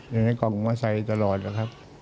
อยู่ในกล่องมอไซค์ตลอดนะครับ